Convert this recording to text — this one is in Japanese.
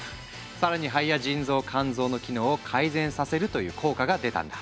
更に肺や腎臓肝臓の機能を改善させるという効果が出たんだ。